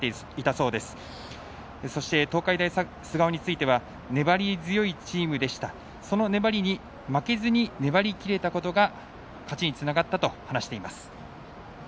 そして、東海大菅生については粘り強いチームでしたその粘りに負けずに粘りきれたことが勝ちにつながったと話しています。